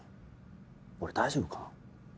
俺大丈夫かな？